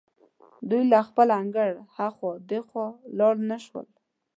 دوی له خپل انګړه هخوا او دېخوا لاړ نه شول.